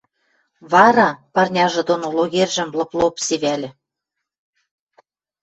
Вара... — парняжы доно логержӹм лып-лоп севӓльӹ.